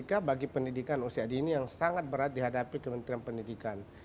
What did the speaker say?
yang ketiga bagi pendidikan usia ini yang sangat berat dihadapi kementerian pendidikan